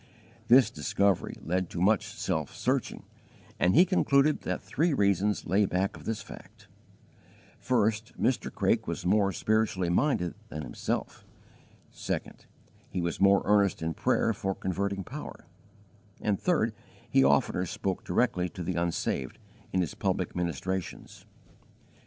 This discovery led to much self searching, and he concluded that three reasons lay back of this fact: first, Mr. Craik was more spiritually minded than himself; second, he was more earnest in prayer for converting power; and third, he oftener spoke directly to the unsaved, in his public ministrations.